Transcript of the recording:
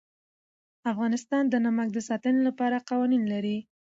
افغانستان د نمک د ساتنې لپاره قوانین لري.